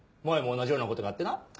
前も同じようなことがあってな？